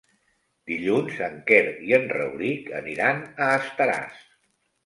Dilluns en Quer i en Rauric aniran a Estaràs.